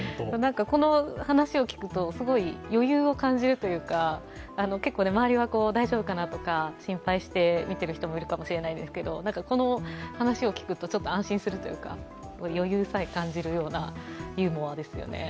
この話を聞くと、すごい余裕を感じるというか結構周りは大丈夫かなと心配している見ている人もいるかもしれませんが、この話を聞くと、ちょっと安心するというか、余裕さえ感じるようなユーモアですよね。